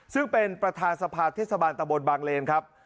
ซึ่งเป็นประธานสภาเทศบาลตะบนบางเลนครับ